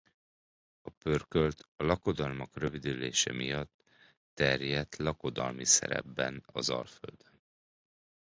A pörkölt a lakodalmak rövidülése miatt terjedt lakodalmi szerepben az Alföldön.